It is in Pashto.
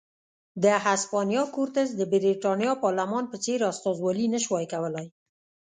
د هسپانیا کورتس د برېټانیا پارلمان په څېر استازولي نه شوای کولای.